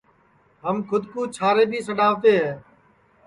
ہم کھود کُو چھارے بھی سڈؔاتے ہے